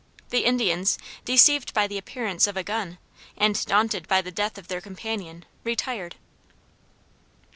The Indians, deceived by the appearance of a gun, and daunted by the death of their companion, retired.